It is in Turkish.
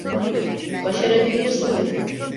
Başarabilirsin.